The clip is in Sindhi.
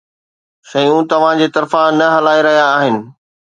شيون توهان جي طرفان نه هلائي رهيا آهن.